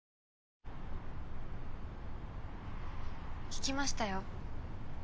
聞きましたよ。